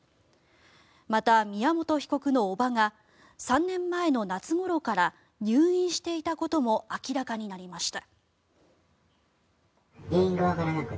また、宮本被告の叔母が３年前の夏ごろから入院していたことも明らかになりました。